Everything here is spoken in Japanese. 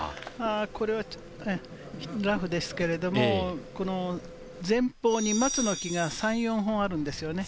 これはラフですけれども、前方に松の木が３４本あるんですよね。